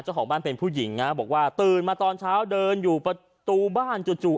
เจ้าของบ้านเป็นผู้หญิงนะบอกว่าตื่นมาตอนเช้าเดินอยู่ประตูบ้านจู่